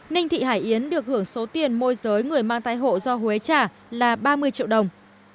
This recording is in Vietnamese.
ninh thị hải yến được hưởng số tiền môi giới người mang thai hộ do huế trả là ba mươi triệu đồng